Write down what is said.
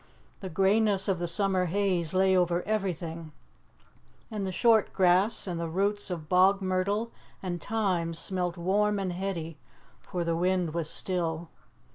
The greyness of the summer haze lay over everything, and the short grass and the roots of bog myrtle and thyme smelt warm and heady, for the wind was still.